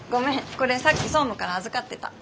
これさっき総務から預かってた。